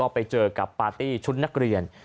ไปเจอกับปาร์ตี้ชุดนักเรียน